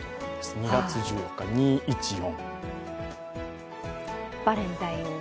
２月１４日、２１４。